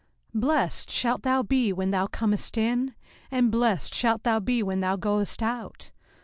05:028:006 Blessed shalt thou be when thou comest in, and blessed shalt thou be when thou goest out.